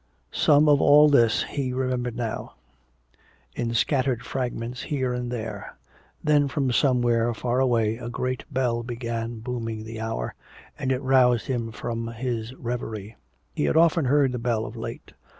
Some of all this he remembered now, in scattered fragments here and there. Then from somewhere far away a great bell began booming the hour, and it roused him from his revery. He had often heard the bell of late.